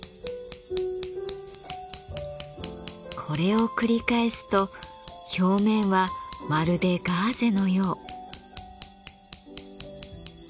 これを繰り返すと表面はまるでガーゼのよう。